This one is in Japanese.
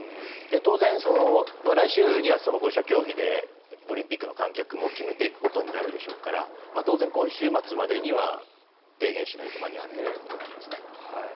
当然、来週には５者協議でオリンピックの観客も決めていくことになるでしょうから当然、今週末までには提言しないと間に合わないということになりますね。